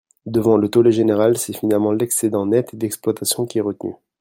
Devant le tollé général, c’est finalement l’excédent net d’exploitation qui est retenu.